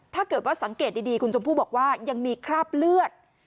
ถ้าเกิดว่าสังเกตดีคุณชมพู่บอกว่ายังมีคราบเลือด